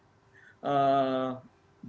bagaimana bertahan sebagai rejim misalnya di mesir